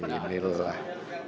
ini lho lah